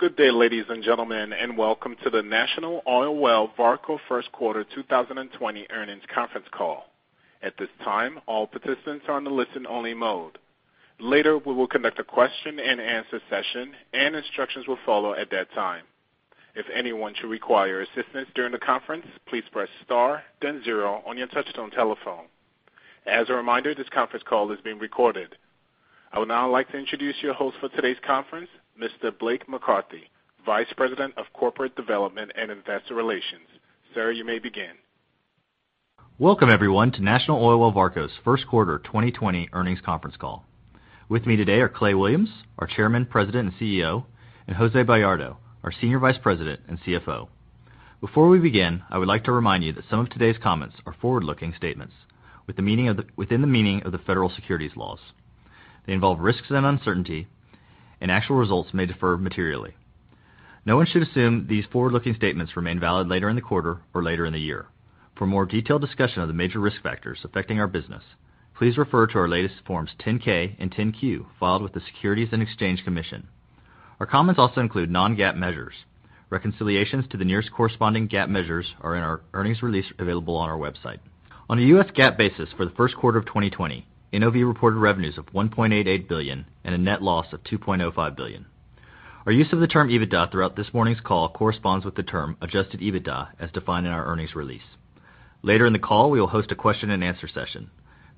Good day, ladies and gentlemen, and welcome to the National Oilwell Varco First Quarter 2020 Earnings Conference Call. At this time, all participants are on the listen-only mode. Later, we will conduct a question-and-answer session, and instructions will follow at that time. If anyone should require assistance during the conference, please press star then zero on your touchtone telephone. As a reminder, this conference call is being recorded. I would now like to introduce your host for today's conference, Mr. Blake McCarthy, Vice President of Corporate Development and Investor Relations. Sir, you may begin. Welcome, everyone, to National Oilwell Varco's First Quarter 2020 Earnings Conference Call. With me today are Clay Williams, our Chairman, President, and CEO, and Jose Bayardo, our Senior Vice President and CFO. Before we begin, I would like to remind you that some of today's comments are forward-looking statements within the meaning of the federal securities laws. They involve risks and uncertainty, and actual results may differ materially. No one should assume these forward-looking statements remain valid later in the quarter or later in the year. For more detailed discussion of the major risk factors affecting our business, please refer to our latest Forms 10-K and 10-Q filed with the Securities and Exchange Commission. Our comments also include non-GAAP measures. Reconciliations to the nearest corresponding GAAP measures are in our earnings release available on our website. On a U.S. GAAP basis for the first quarter of 2020, NOV reported revenues of $1.88 billion and a net loss of $2.05 billion. Our use of the term EBITDA throughout this morning's call corresponds with the term adjusted EBITDA as defined in our earnings release. Later in the call, we will host a question-and-answer session.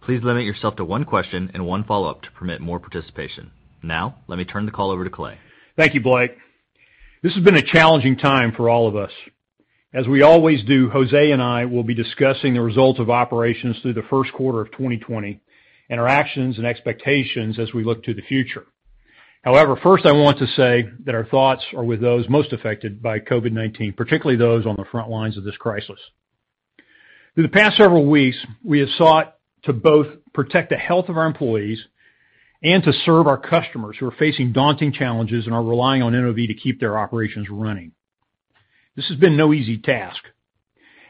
Please limit yourself to one question and one follow-up to permit more participation. Now, let me turn the call over to Clay. Thank you, Blake. This has been a challenging time for all of us. As we always do, Jose and I will be discussing the result of operations through the first quarter of 2020 and our actions and expectations as we look to the future. However, first I want to say that our thoughts are with those most affected by COVID-19, particularly those on the front lines of this crisis. Through the past several weeks, we have sought to both protect the health of our employees and to serve our customers who are facing daunting challenges and are relying on NOV to keep their operations running. This has been no easy task.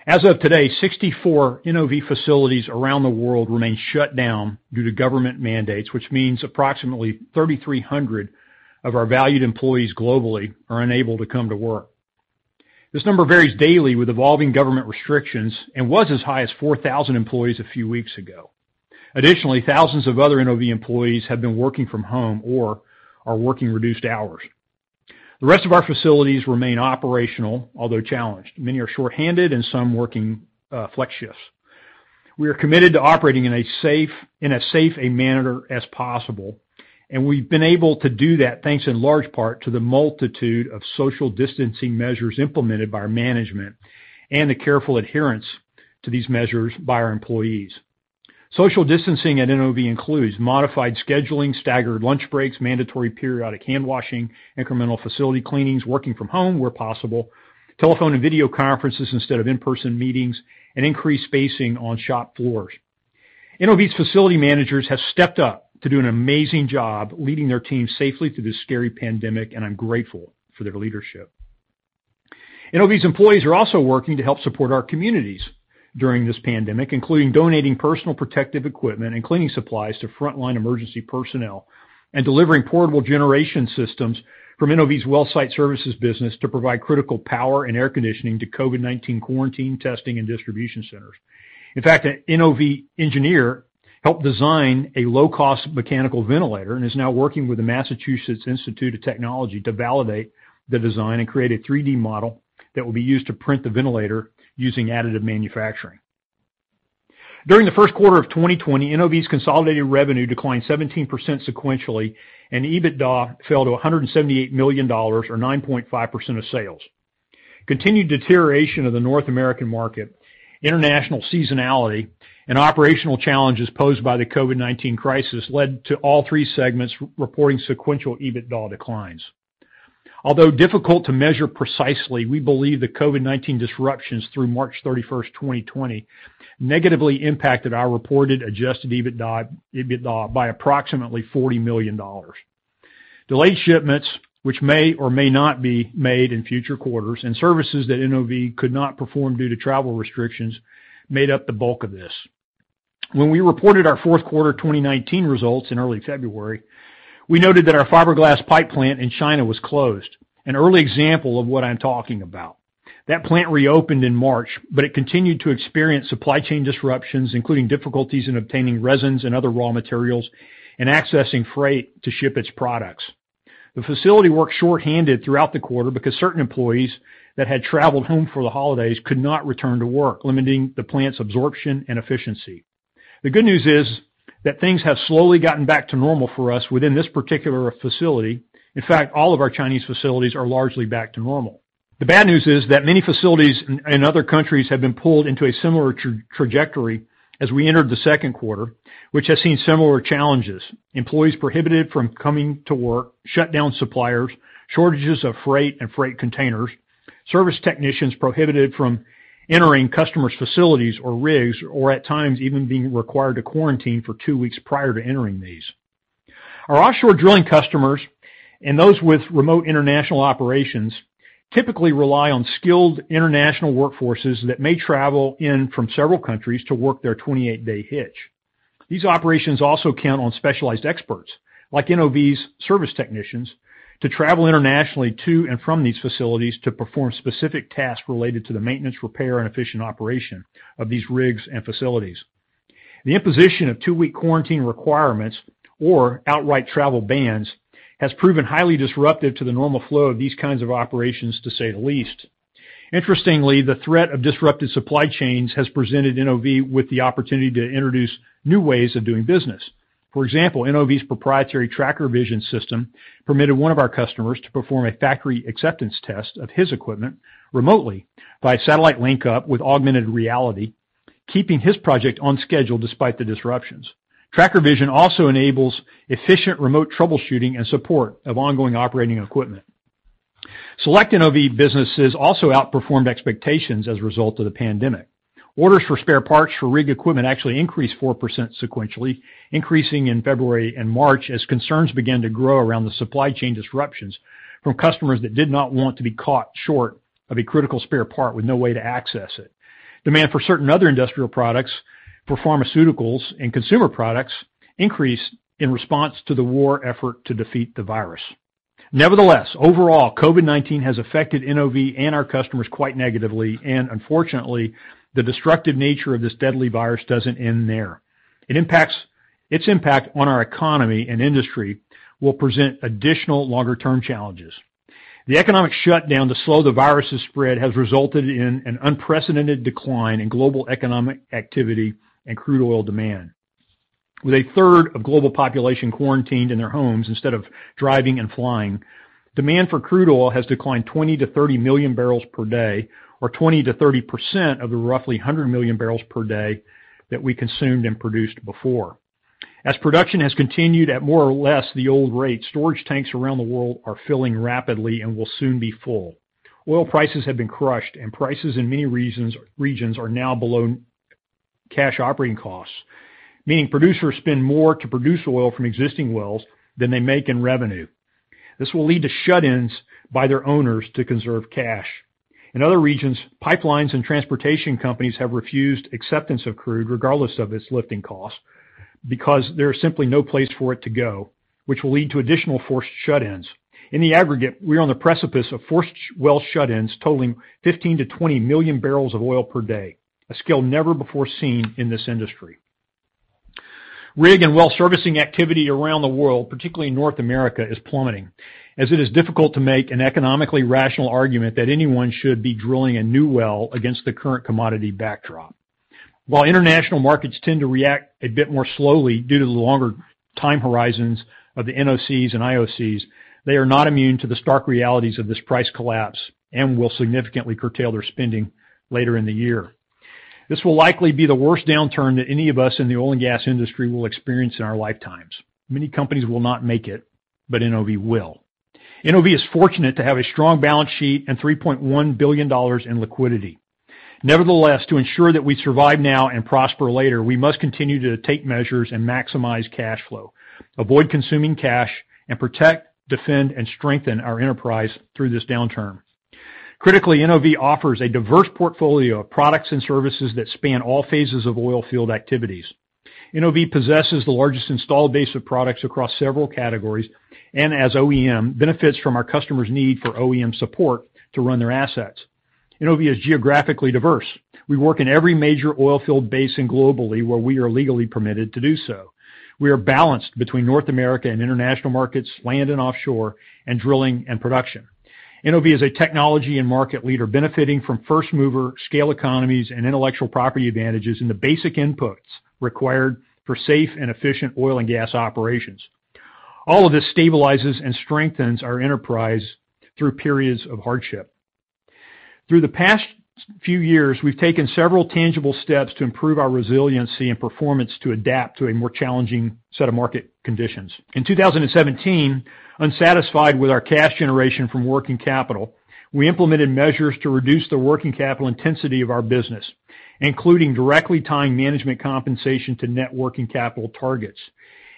As of today, 64 NOV facilities around the world remain shut down due to government mandates, which means approximately 3,300 of our valued employees globally are unable to come to work. This number varies daily with evolving government restrictions and was as high as 4,000 employees a few weeks ago. Additionally, thousands of other NOV employees have been working from home or are working reduced hours. The rest of our facilities remain operational, although challenged. Many are short-handed and some working flex shifts. We are committed to operating in as safe a manner as possible, and we've been able to do that thanks in large part to the multitude of social distancing measures implemented by our management and the careful adherence to these measures by our employees. Social distancing at NOV includes modified scheduling, staggered lunch breaks, mandatory periodic handwashing, incremental facility cleanings, working from home where possible, telephone and video conferences instead of in-person meetings, and increased spacing on shop floors. NOV's facility managers have stepped up to do an amazing job leading their team safely through this scary pandemic, and I'm grateful for their leadership. NOV's employees are also working to help support our communities during this pandemic, including donating personal protective equipment and cleaning supplies to frontline emergency personnel and delivering portable generation systems from NOV's WellSite Services business to provide critical power and air conditioning to COVID-19 quarantine testing and distribution centers. In fact, an NOV engineer helped design a low-cost mechanical ventilator and is now working with the Massachusetts Institute of Technology to validate the design and create a 3D model that will be used to print the ventilator using additive manufacturing. During the first quarter of 2020, NOV's consolidated revenue declined 17% sequentially, and EBITDA fell to $178 million, or 9.5% of sales. Continued deterioration of the North American market, international seasonality, and operational challenges posed by the COVID-19 crisis led to all three segments reporting sequential EBITDA declines. Although difficult to measure precisely, we believe the COVID-19 disruptions through March 31st, 2020, negatively impacted our reported adjusted EBITDA by approximately $40 million. Delayed shipments, which may or may not be made in future quarters, and services that NOV could not perform due to travel restrictions made up the bulk of this. When we reported our fourth quarter 2019 results in early February, we noted that our fiberglass pipe plant in China was closed, an early example of what I'm talking about. That plant reopened in March, but it continued to experience supply chain disruptions, including difficulties in obtaining resins and other raw materials and accessing freight to ship its products. The facility worked short-handed throughout the quarter because certain employees that had traveled home for the holidays could not return to work, limiting the plant's absorption and efficiency. The good news is that things have slowly gotten back to normal for us within this particular facility. In fact, all of our Chinese facilities are largely back to normal. The bad news is that many facilities in other countries have been pulled into a similar trajectory as we entered the second quarter, which has seen similar challenges: employees prohibited from coming to work, shut-down suppliers, shortages of freight and freight containers, service technicians prohibited from entering customers' facilities or rigs, or at times even being required to quarantine for two weeks prior to entering these. Our offshore drilling customers and those with remote international operations typically rely on skilled international workforces that may travel in from several countries to work their 28-day hitch. These operations also count on specialized experts, like NOV's service technicians, to travel internationally to and from these facilities to perform specific tasks related to the maintenance, repair, and efficient operation of these rigs and facilities. The imposition of two-week quarantine requirements or outright travel bans has proven highly disruptive to the normal flow of these kinds of operations, to say the least. Interestingly, the threat of disrupted supply chains has presented NOV with the opportunity to introduce new ways of doing business. For example, NOV's proprietary TrackerVision system permitted one of our customers to perform a factory acceptance test of his equipment remotely by satellite linkup with augmented reality, keeping his project on schedule despite the disruptions. TrackerVision also enables efficient remote troubleshooting and support of ongoing operating equipment. Select NOV businesses also outperformed expectations as a result of the pandemic. Orders for spare parts for rig equipment actually increased 4% sequentially, increasing in February and March as concerns began to grow around the supply chain disruptions from customers that did not want to be caught short of a critical spare part with no way to access it. Demand for certain other industrial products for pharmaceuticals and consumer products increased in response to the war effort to defeat the virus. Nevertheless, overall, COVID-19 has affected NOV and our customers quite negatively, and unfortunately, the destructive nature of this deadly virus doesn't end there. Its impact on our economy and industry will present additional longer-term challenges. The economic shutdown to slow the virus's spread has resulted in an unprecedented decline in global economic activity and crude oil demand. With a third of global population quarantined in their homes instead of driving and flying, demand for crude oil has declined 20 million to 30 million barrels per day, or 20% to 30% of the roughly 100 million barrels per day that we consumed and produced before. As production has continued at more or less the old rate, storage tanks around the world are filling rapidly and will soon be full. Oil prices have been crushed, and prices in many regions are now below cash operating costs, meaning producers spend more to produce oil from existing wells than they make in revenue. This will lead to shut-ins by their owners to conserve cash. In other regions, pipelines and transportation companies have refused acceptance of crude regardless of its lifting costs because there is simply no place for it to go, which will lead to additional forced shut-ins. In the aggregate, we are on the precipice of forced well shut-ins totaling 15 million to 20 million barrels of oil per day, a scale never before seen in this industry. Rig and well servicing activity around the world, particularly in North America, is plummeting, as it is difficult to make an economically rational argument that anyone should be drilling a new well against the current commodity backdrop. While international markets tend to react a bit more slowly due to the longer time horizons of the NOCs and IOCs, they are not immune to the stark realities of this price collapse and will significantly curtail their spending later in the year. This will likely be the worst downturn that any of us in the oil and gas industry will experience in our lifetimes. Many companies will not make it, but NOV will. NOV is fortunate to have a strong balance sheet and $3.1 billion in liquidity. Nevertheless, to ensure that we survive now and prosper later, we must continue to take measures and maximize cash flow, avoid consuming cash, and protect, defend, and strengthen our enterprise through this downturn. Critically, NOV offers a diverse portfolio of products and services that span all phases of oil field activities. NOV possesses the largest installed base of products across several categories and as OEM, benefits from our customers' need for OEM support to run their assets. NOV is geographically diverse. We work in every major oil field basin globally where we are legally permitted to do so. We are balanced between North America and international markets, land and offshore, and drilling and production. NOV is a technology and market leader benefiting from first-mover scale economies and intellectual property advantages in the basic inputs required for safe and efficient oil and gas operations. All of this stabilizes and strengthens our enterprise through periods of hardship. Through the past few years, we've taken several tangible steps to improve our resiliency and performance to adapt to a more challenging set of market conditions. In 2017, unsatisfied with our cash generation from working capital, we implemented measures to reduce the working capital intensity of our business, including directly tying management compensation to net working capital targets.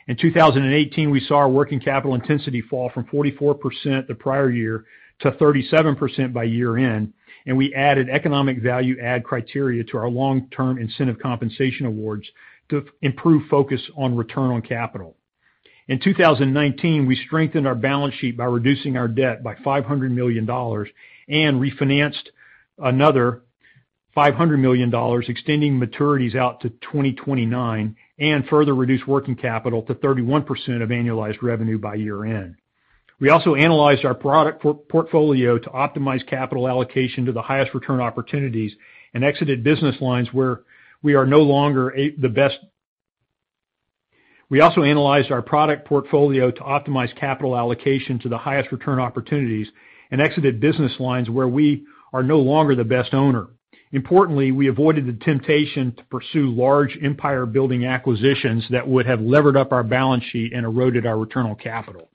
In 2018, we saw our working capital intensity fall from 44% the prior year to 37% by year-end, and we added Economic Value Added criteria to our long-term incentive compensation awards to improve focus on return on capital. In 2019, we strengthened our balance sheet by reducing our debt by $500 million and refinanced another $500 million, extending maturities out to 2029 and further reduced working capital to 31% of annualized revenue by year-end. We also analyzed our product portfolio to optimize capital allocation to the highest return opportunities and exited business lines where we are no longer the best owner. Importantly, we avoided the temptation to pursue large empire-building acquisitions that would have levered up our balance sheet and eroded our return on capital.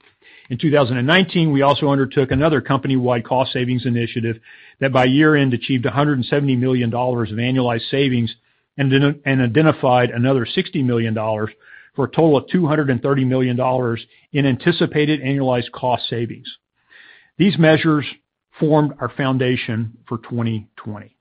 In 2019, we also undertook another company-wide cost savings initiative that by year-end achieved $170 million of annualized savings and identified another $60 million for a total of $230 million in anticipated annualized cost savings. These measures formed our foundation for 2020.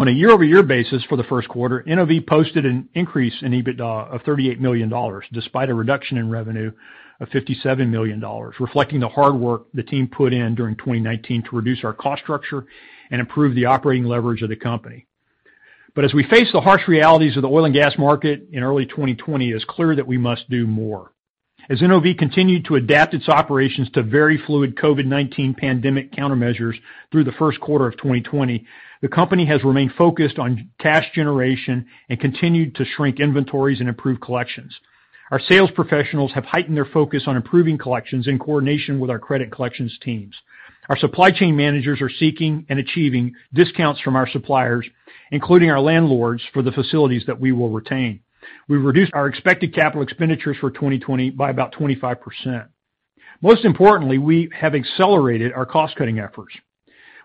On a year-over-year basis for the first quarter, NOV posted an increase in EBITDA of $38 million, despite a reduction in revenue of $57 million, reflecting the hard work the team put in during 2019 to reduce our cost structure and improve the operating leverage of the company. As we face the harsh realities of the oil and gas market in early 2020, it's clear that we must do more. As NOV continued to adapt its operations to very fluid COVID-19 pandemic countermeasures through the first quarter of 2020, the company has remained focused on cash generation and continued to shrink inventories and improve collections. Our sales professionals have heightened their focus on improving collections in coordination with our credit collections teams. Our supply chain managers are seeking and achieving discounts from our suppliers, including our landlords, for the facilities that we will retain. We reduced our expected CapEx for 2020 by about 25%. Most importantly, we have accelerated our cost-cutting efforts.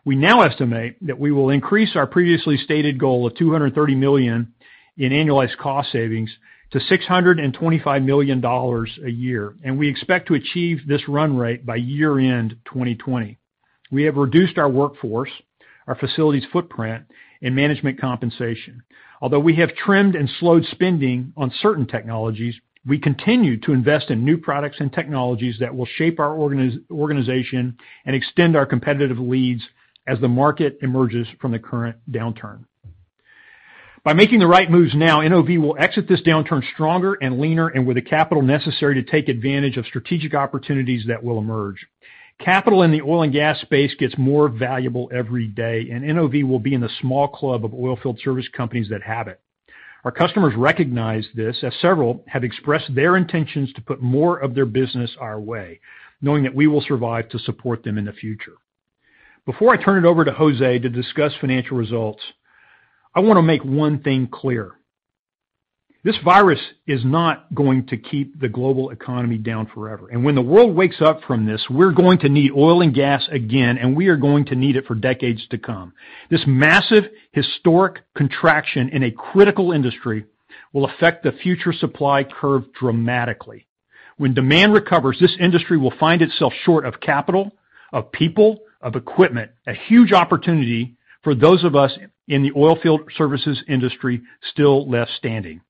We now estimate that we will increase our previously stated goal of $230 million in annualized cost savings to $625 million a year, and we expect to achieve this run rate by year-end 2020. We have reduced our workforce, our facilities footprint, and management compensation. Although we have trimmed and slowed spending on certain technologies, we continue to invest in new products and technologies that will shape our organization and extend our competitive leads as the market emerges from the current downturn. By making the right moves now, NOV will exit this downturn stronger and leaner and with the capital necessary to take advantage of strategic opportunities that will emerge. Capital in the oil and gas space gets more valuable every day. NOV will be in the small club of oilfield service companies that have it. Our customers recognize this, as several have expressed their intentions to put more of their business our way, knowing that we will survive to support them in the future. Before I turn it over to Jose to discuss financial results, I want to make one thing clear. This virus is not going to keep the global economy down forever. When the world wakes up from this, we're going to need oil and gas again. We are going to need it for decades to come. This massive, historic contraction in a critical industry will affect the future supply curve dramatically. When demand recovers, this industry will find itself short of capital, of people, of equipment. A huge opportunity for those of us in the oilfield services industry still left standing.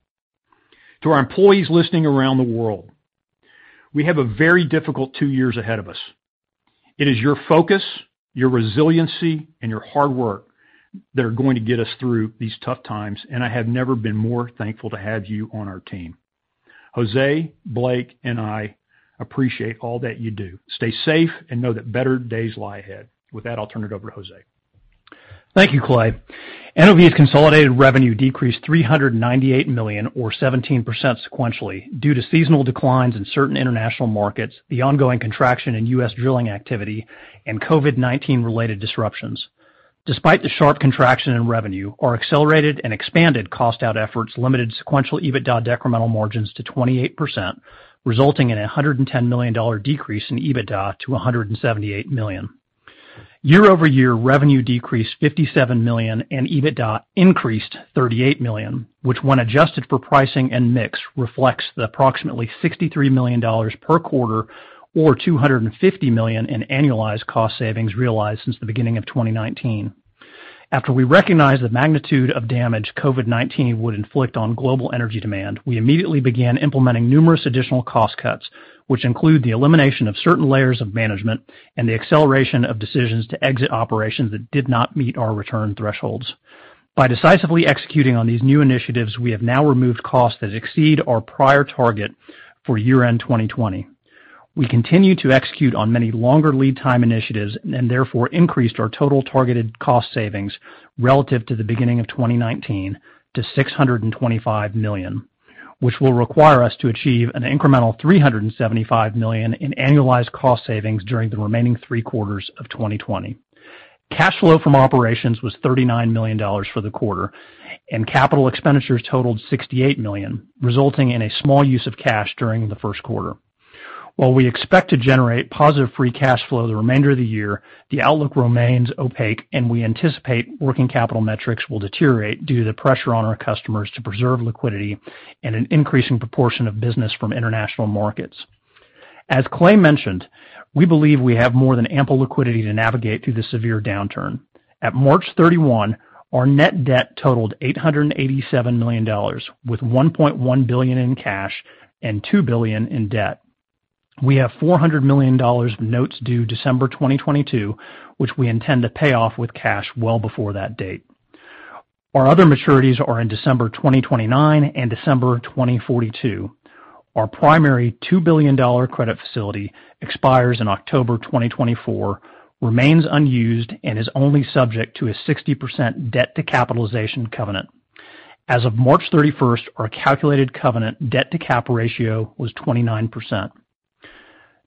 To our employees listening around the world, we have a very difficult two years ahead of us. It is your focus, your resiliency, and your hard work that are going to get us through these tough times. I have never been more thankful to have you on our team. Jose, Blake, and I appreciate all that you do. Stay safe and know that better days lie ahead. With that, I'll turn it over to Jose. Thank you, Clay. NOV's consolidated revenue decreased $398 million or 17% sequentially due to seasonal declines in certain international markets, the ongoing contraction in U.S. drilling activity, and COVID-19-related disruptions. Despite the sharp contraction in revenue, our accelerated and expanded cost-out efforts limited sequential EBITDA decremental margins to 28%, resulting in a $110 million decrease in EBITDA to $178 million. Year-over-year revenue decreased $57 million and EBITDA increased $38 million, which when adjusted for pricing and mix, reflects the approximately $63 million per quarter or $250 million in annualized cost savings realized since the beginning of 2019. After we recognized the magnitude of damage COVID-19 would inflict on global energy demand, we immediately began implementing numerous additional cost cuts, which include the elimination of certain layers of management and the acceleration of decisions to exit operations that did not meet our return thresholds. By decisively executing on these new initiatives, we have now removed costs that exceed our prior target for year-end 2020. We continue to execute on many longer lead time initiatives and therefore increased our total targeted cost savings relative to the beginning of 2019 to $625 million, which will require us to achieve an incremental $375 million in annualized cost savings during the remaining three quarters of 2020. Cash flow from operations was $39 million for the quarter, and capital expenditures totaled $68 million, resulting in a small use of cash during the first quarter. While we expect to generate positive free cash flow the remainder of the year, the outlook remains opaque, and we anticipate working capital metrics will deteriorate due to the pressure on our customers to preserve liquidity and an increasing proportion of business from international markets. As Clay mentioned, we believe we have more than ample liquidity to navigate through the severe downturn. At March 31, our net debt totaled $887 million, with $1.1 billion in cash and $2 billion in debt. We have $400 million notes due December 2022, which we intend to pay off with cash well before that date. Our other maturities are in December 2029 and December 2042. Our primary $2 billion credit facility expires in October 2024, remains unused, and is only subject to a 60% debt to capitalization covenant. As of March 31st, our calculated covenant debt to cap ratio was 29%.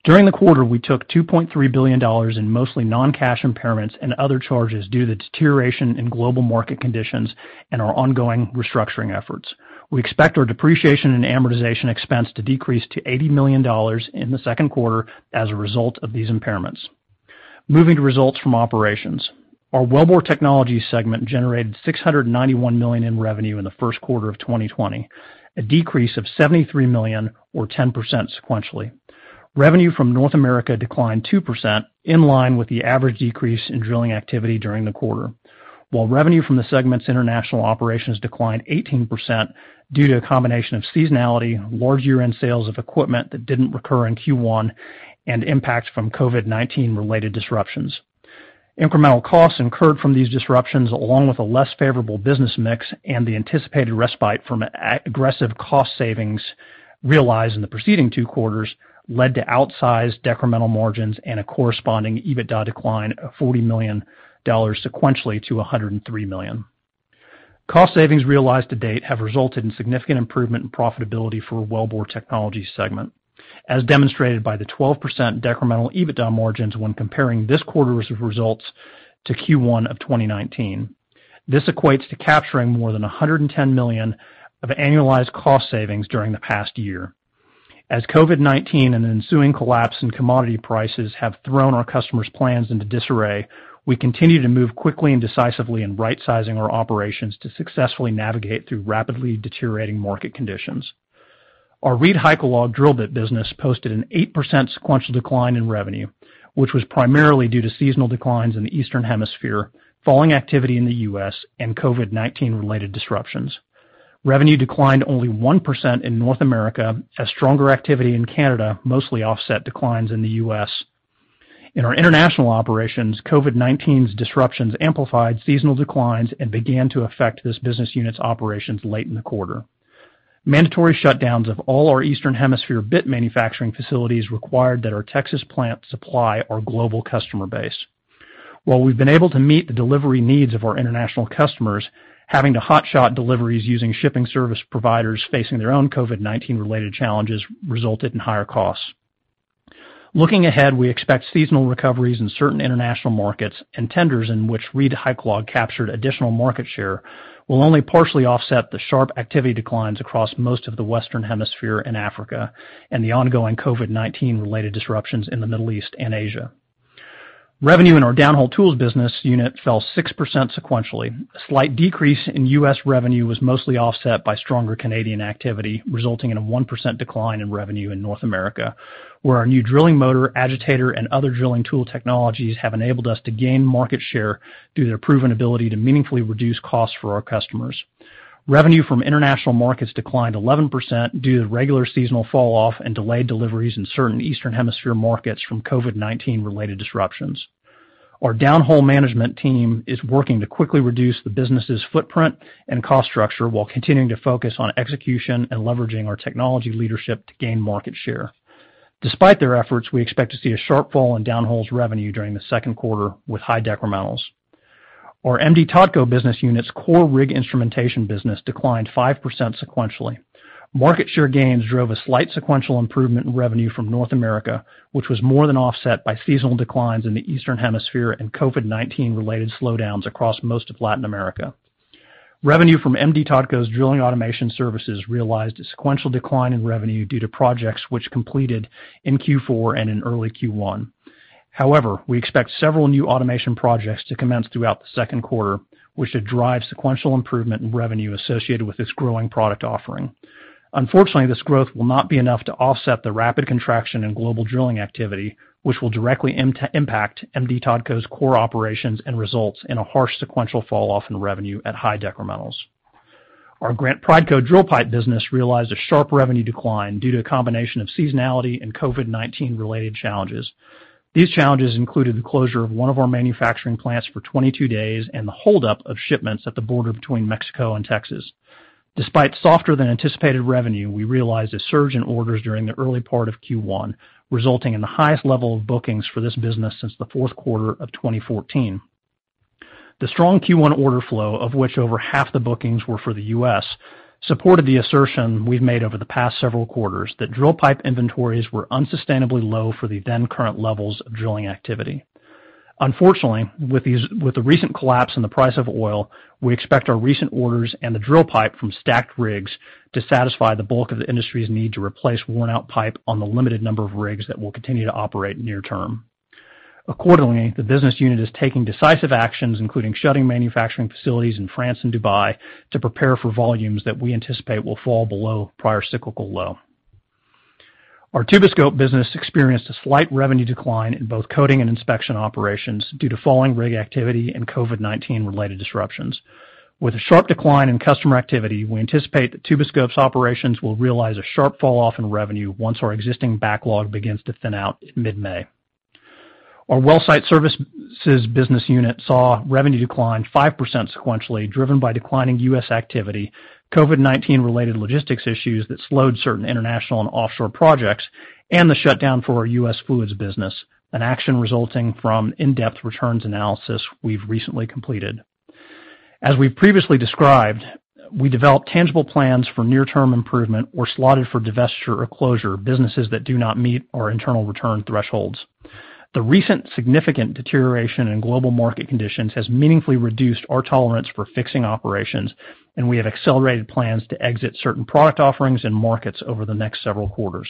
During the quarter, we took $2.3 billion in mostly non-cash impairments and other charges due to the deterioration in global market conditions and our ongoing restructuring efforts. We expect our depreciation and amortization expense to decrease to $80 million in the second quarter as a result of these impairments. Moving to results from operations. Our Wellbore Technologies segment generated $691 million in revenue in the first quarter of 2020, a decrease of $73 million or 10% sequentially. Revenue from North America declined 2%, in line with the average decrease in drilling activity during the quarter. While revenue from the segment's international operations declined 18% due to a combination of seasonality, large year-end sales of equipment that didn't recur in Q1, and impacts from COVID-19 related disruptions. Incremental costs incurred from these disruptions, along with a less favorable business mix and the anticipated respite from aggressive cost savings realized in the preceding two quarters, led to outsized decremental margins and a corresponding EBITDA decline of $40 million sequentially to $103 million. Cost savings realized to date have resulted in significant improvement in profitability for our Wellbore Technologies segment, as demonstrated by the 12% decremental EBITDA margins when comparing this quarter's results to Q1 of 2019. This equates to capturing more than $110 million of annualized cost savings during the past year. COVID-19 and the ensuing collapse in commodity prices have thrown our customers' plans into disarray, we continue to move quickly and decisively in rightsizing our operations to successfully navigate through rapidly deteriorating market conditions. Our ReedHycalog drill bit business posted an 8% sequential decline in revenue, which was primarily due to seasonal declines in the Eastern Hemisphere, falling activity in the U.S., and COVID-19 related disruptions. Revenue declined only 1% in North America as stronger activity in Canada mostly offset declines in the U.S. In our international operations, COVID-19's disruptions amplified seasonal declines and began to affect this business unit's operations late in the quarter. Mandatory shutdowns of all our Eastern Hemisphere bit manufacturing facilities required that our Texas plant supply our global customer base. While we've been able to meet the delivery needs of our international customers, having to hotshot deliveries using shipping service providers facing their own COVID-19 related challenges resulted in higher costs. Looking ahead, we expect seasonal recoveries in certain international markets and tenders in which ReedHycalog captured additional market share will only partially offset the sharp activity declines across most of the Western Hemisphere and Africa, and the ongoing COVID-19 related disruptions in the Middle East and Asia. Revenue in our Downhole Tools business unit fell 6% sequentially. A slight decrease in U.S. revenue was mostly offset by stronger Canadian activity, resulting in a 1% decline in revenue in North America, where our new drilling motor, agitator, and other drilling tool technologies have enabled us to gain market share due to their proven ability to meaningfully reduce costs for our customers. Revenue from international markets declined 11% due to regular seasonal falloff and delayed deliveries in certain Eastern Hemisphere markets from COVID-19 related disruptions. Our Downhole management team is working to quickly reduce the business's footprint and cost structure while continuing to focus on execution and leveraging our technology leadership to gain market share. Despite their efforts, we expect to see a sharp fall in Downhole's revenue during the second quarter with high decrementals. Our M/D Totco business unit's core rig instrumentation business declined 5% sequentially. Market share gains drove a slight sequential improvement in revenue from North America, which was more than offset by seasonal declines in the Eastern Hemisphere and COVID-19 related slowdowns across most of Latin America. Revenue from M/D Totco's drilling automation services realized a sequential decline in revenue due to projects which completed in Q4 and in early Q1. However, we expect several new automation projects to commence throughout the second quarter, which should drive sequential improvement in revenue associated with this growing product offering. Unfortunately, this growth will not be enough to offset the rapid contraction in global drilling activity, which will directly impact M/D Totco's core operations and results in a harsh sequential falloff in revenue at high decrementals. Our Grant Prideco drill pipe business realized a sharp revenue decline due to a combination of seasonality and COVID-19 related challenges. These challenges included the closure of one of our manufacturing plants for 22 days and the hold-up of shipments at the border between Mexico and Texas. Despite softer than anticipated revenue, we realized a surge in orders during the early part of Q1, resulting in the highest level of bookings for this business since the fourth quarter of 2014. The strong Q1 order flow, of which over half the bookings were for the U.S., supported the assertion we've made over the past several quarters that drill pipe inventories were unsustainably low for the then current levels of drilling activity. Unfortunately, with the recent collapse in the price of oil, we expect our recent orders and the drill pipe from stacked rigs to satisfy the bulk of the industry's need to replace worn-out pipe on the limited number of rigs that will continue to operate near term. Accordingly, the business unit is taking decisive actions, including shutting manufacturing facilities in France and Dubai to prepare for volumes that we anticipate will fall below prior cyclical low. Our Tuboscope business experienced a slight revenue decline in both coating and inspection operations due to falling rig activity and COVID-19-related disruptions. With a sharp decline in customer activity, we anticipate that Tuboscope's operations will realize a sharp falloff in revenue once our existing backlog begins to thin out in mid-May. Our WellSite Services business unit saw revenue decline 5% sequentially, driven by declining U.S. activity, COVID-19-related logistics issues that slowed certain international and offshore projects, and the shutdown for our U.S. fluids business, an action resulting from in-depth returns analysis we've recently completed. As we've previously described, we developed tangible plans for near-term improvement or slotted for divestiture or closure businesses that do not meet our internal return thresholds. The recent significant deterioration in global market conditions has meaningfully reduced our tolerance for fixing operations. We have accelerated plans to exit certain product offerings and markets over the next several quarters.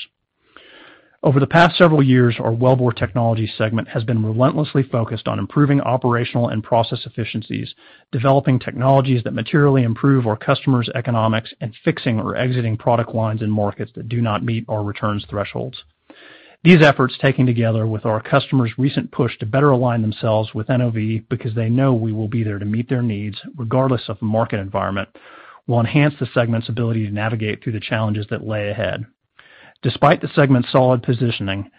Over the past several years, our Wellbore Technologies segment has been relentlessly focused on improving operational and process efficiencies, developing technologies that materially improve our customers' economics, and fixing or exiting product lines and markets that do not meet our returns thresholds. These efforts, taken together with our customers' recent push to better align themselves with NOV because they know we will be there to meet their needs regardless of the market environment, will enhance the segment's ability to navigate through the challenges that lay ahead. Despite the segment's solid positioning,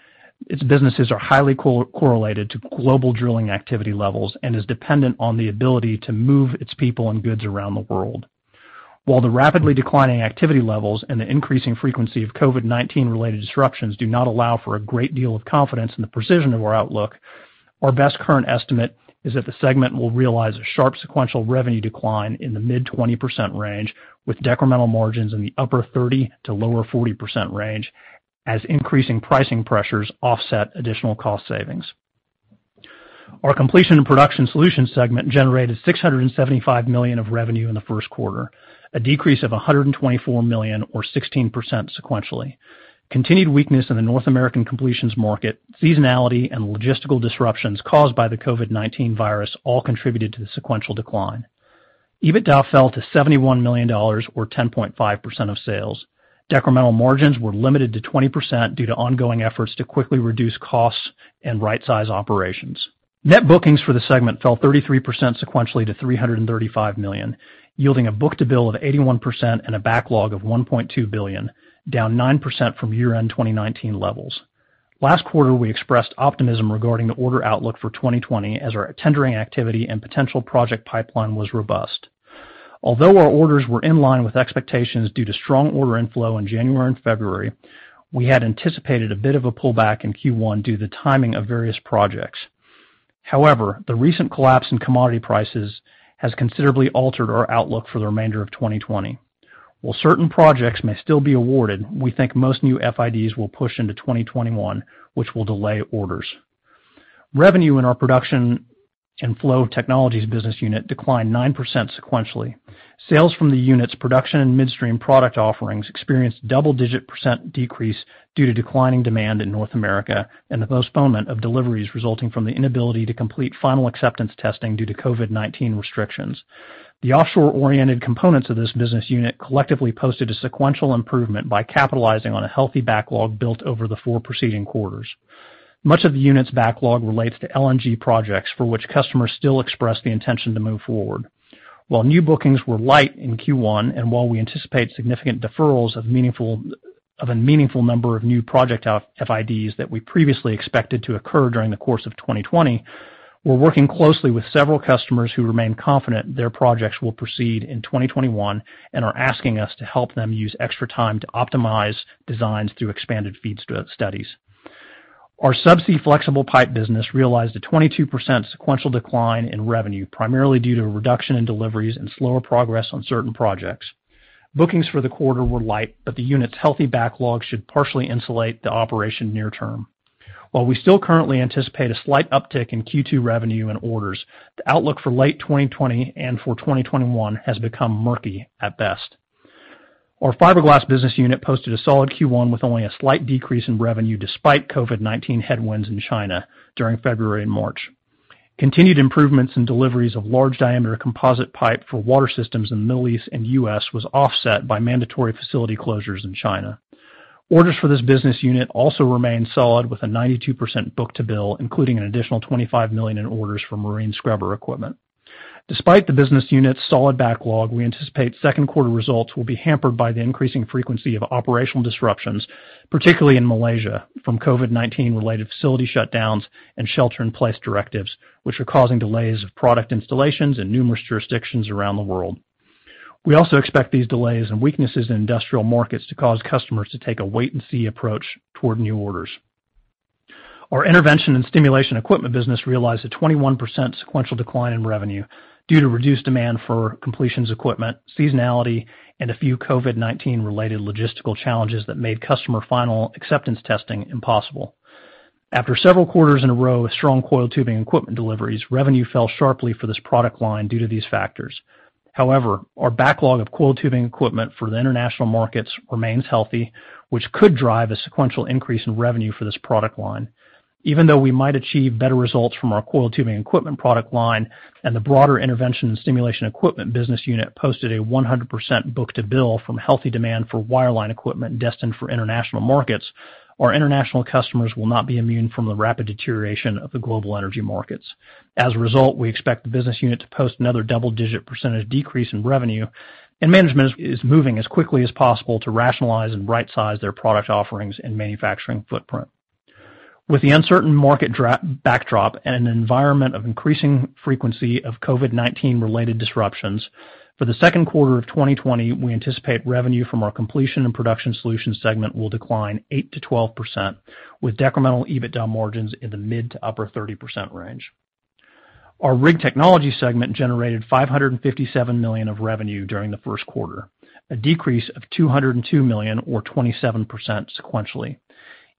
its businesses are highly correlated to global drilling activity levels and is dependent on the ability to move its people and goods around the world. While the rapidly declining activity levels and the increasing frequency of COVID-19-related disruptions do not allow for a great deal of confidence in the precision of our outlook, our best current estimate is that the segment will realize a sharp sequential revenue decline in the mid-20% range, with decremental margins in the upper 30%-lower 40% range as increasing pricing pressures offset additional cost savings. Our Completion & Production Solutions segment generated $675 million of revenue in the first quarter, a decrease of $124 million or 16% sequentially. Continued weakness in the North American completions market, seasonality, and logistical disruptions caused by the COVID-19 virus all contributed to the sequential decline. EBITDA fell to $71 million, or 10.5% of sales. Decremental margins were limited to 20% due to ongoing efforts to quickly reduce costs and right-size operations. Net bookings for the segment fell 33% sequentially to $335 million, yielding a book-to-bill of 81% and a backlog of $1.2 billion, down 9% from year-end 2019 levels. Last quarter, we expressed optimism regarding the order outlook for 2020 as our tendering activity and potential project pipeline was robust. Our orders were in line with expectations due to strong order inflow in January and February. We had anticipated a bit of a pullback in Q1 due to the timing of various projects. The recent collapse in commodity prices has considerably altered our outlook for the remainder of 2020. While certain projects may still be awarded, we think most new FIDs will push into 2021, which will delay orders. Revenue in our Process and Flow Technologies business unit declined 9% sequentially. Sales from the unit's production and midstream product offerings experienced double-digit percent decrease due to declining demand in North America and the postponement of deliveries resulting from the inability to complete final acceptance testing due to COVID-19 restrictions. The offshore-oriented components of this business unit collectively posted a sequential improvement by capitalizing on a healthy backlog built over the four preceding quarters. Much of the unit's backlog relates to LNG projects for which customers still express the intention to move forward. While new bookings were light in Q1, while we anticipate significant deferrals of a meaningful number of new project FIDs that we previously expected to occur during the course of 2020, we're working closely with several customers who remain confident their projects will proceed in 2021 and are asking us to help them use extra time to optimize designs through expanded feed studies. Our subsea flexible pipe business realized a 22% sequential decline in revenue, primarily due to a reduction in deliveries and slower progress on certain projects. Bookings for the quarter were light, but the unit's healthy backlog should partially insulate the operation near-term. While we still currently anticipate a slight uptick in Q2 revenue and orders, the outlook for late 2020 and for 2021 has become murky at best. Our fiberglass business unit posted a solid Q1 with only a slight decrease in revenue despite COVID-19 headwinds in China during February and March. Continued improvements in deliveries of large-diameter composite pipe for water systems in the Middle East and U.S. was offset by mandatory facility closures in China. Orders for this business unit also remain solid with a 92% book-to-bill, including an additional $25 million in orders for marine scrubber equipment. Despite the business unit's solid backlog, we anticipate second quarter results will be hampered by the increasing frequency of operational disruptions, particularly in Malaysia, from COVID-19-related facility shutdowns and shelter-in-place directives, which are causing delays of product installations in numerous jurisdictions around the world. We also expect these delays and weaknesses in industrial markets to cause customers to take a wait-and-see approach toward new orders. Our intervention and stimulation equipment business realized a 21% sequential decline in revenue due to reduced demand for completions equipment, seasonality, and a few COVID-19-related logistical challenges that made customer final acceptance testing impossible. After several quarters in a row of strong coiled tubing equipment deliveries, revenue fell sharply for this product line due to these factors. However, our backlog of coiled tubing equipment for the international markets remains healthy, which could drive a sequential increase in revenue for this product line. Even though we might achieve better results from our coiled tubing equipment product line and the broader intervention and stimulation equipment business unit posted a 100% book-to-bill from healthy demand for wireline equipment destined for international markets, our international customers will not be immune from the rapid deterioration of the global energy markets. As a result, we expect the business unit to post another double-digit percentage decrease in revenue. Management is moving as quickly as possible to rationalize and right-size their product offerings and manufacturing footprint. With the uncertain market backdrop and an environment of increasing frequency of COVID-19-related disruptions, for the second quarter of 2020, we anticipate revenue from our Completion & Production Solutions segment will decline 8%-12%, with decremental EBITDA margins in the mid to upper 30% range. Our Rig Technologies segment generated $557 million of revenue during the first quarter, a decrease of $202 million or 27% sequentially.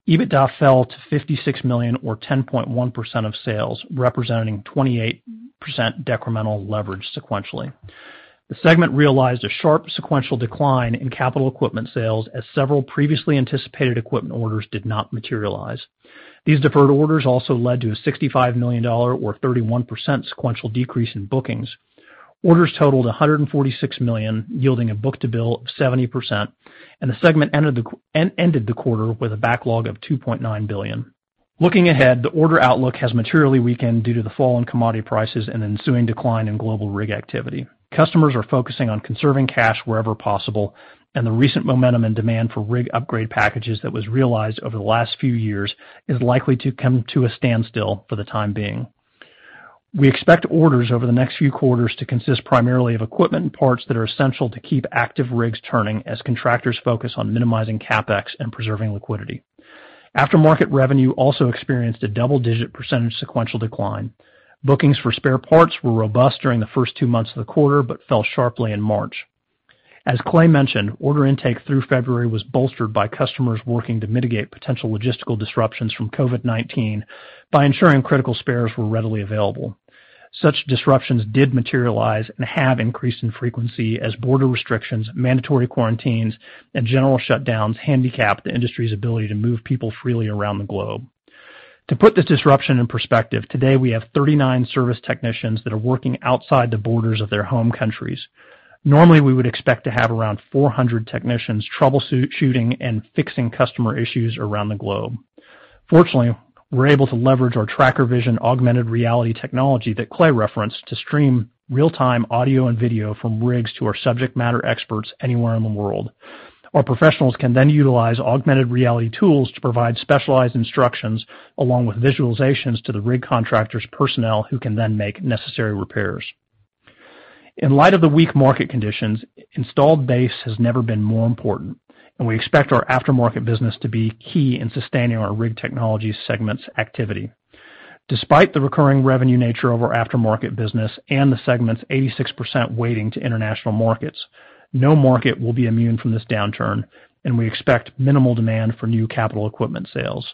EBITDA fell to $56 million or 10.1% of sales, representing 28% decremental leverage sequentially. The segment realized a sharp sequential decline in capital equipment sales as several previously anticipated equipment orders did not materialize. These deferred orders also led to a $65 million or 31% sequential decrease in bookings. Orders totaled $146 million, yielding a book-to-bill of 70%. The segment ended the quarter with a backlog of $2.9 billion. Looking ahead, the order outlook has materially weakened due to the fall in commodity prices and ensuing decline in global rig activity. Customers are focusing on conserving cash wherever possible. The recent momentum and demand for rig upgrade packages that was realized over the last few years is likely to come to a standstill for the time being. We expect orders over the next few quarters to consist primarily of equipment and parts that are essential to keep active rigs turning as contractors focus on minimizing CapEx and preserving liquidity. Aftermarket revenue also experienced a double-digit percentage sequential decline. Bookings for spare parts were robust during the first two months of the quarter, fell sharply in March. As Clay mentioned, order intake through February was bolstered by customers working to mitigate potential logistical disruptions from COVID-19 by ensuring critical spares were readily available. Such disruptions did materialize and have increased in frequency as border restrictions, mandatory quarantines, and general shutdowns handicap the industry's ability to move people freely around the globe. To put this disruption in perspective, today we have 39 service technicians that are working outside the borders of their home countries. Normally, we would expect to have around 400 technicians troubleshooting and fixing customer issues around the globe. Fortunately, we're able to leverage our TrackerVision augmented reality technology that Clay referenced to stream real-time audio and video from rigs to our subject matter experts anywhere in the world. Our professionals can then utilize augmented reality tools to provide specialized instructions along with visualizations to the rig contractors' personnel who can then make necessary repairs. In light of the weak market conditions, installed base has never been more important. We expect our aftermarket business to be key in sustaining our Rig Technologies segment's activity. Despite the recurring revenue nature of our aftermarket business and the segment's 86% weighting to international markets, no market will be immune from this downturn. We expect minimal demand for new capital equipment sales.